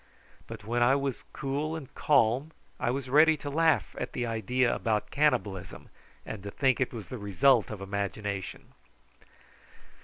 But when I was cool and calm I was ready to laugh at the idea about cannibalism, and to think it was the result of imagination.